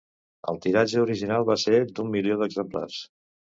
El tiratge original va ser d'un milió d'exemplars.